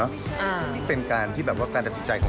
หลังมีภาพที่ทั้งคู่ควงกันไปทำบุญด้วยกัน